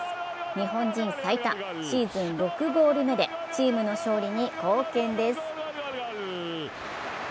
日本人最多、シーズン６ゴール目でチームの勝利に貢献です。